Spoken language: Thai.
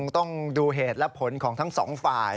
ต้องดูเหตุและผลของทั้งสองฝ่าย